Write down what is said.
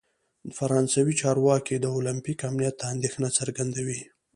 فرانسوي چارواکي د اولمپیک امنیت ته اندیښنه څرګندوي.